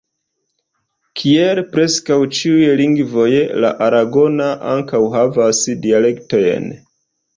Kiel preskaŭ ĉiuj lingvoj, la aragona ankaŭ havas dialektojn.